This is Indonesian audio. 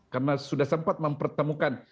karena sudah sempat mempertemukan